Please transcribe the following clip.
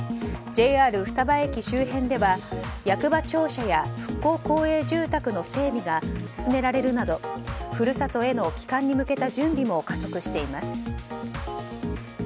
ＪＲ双葉駅周辺では役場庁舎は復興公営住宅の整備が進められるなど故郷への帰還に向けた準備も加速しています。